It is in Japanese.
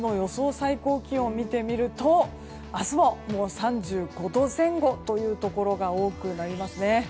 最高気温見てみると明日は３５度前後というところが多くなりますね。